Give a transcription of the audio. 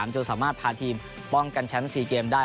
จนสามารถพาทีมป้องกันแชมป์๔เกมได้